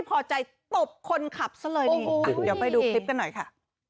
พอใจตบคนขับซะเลยดีอ่ะเดี๋ยวไปดูคลิปกันหน่อยค่ะ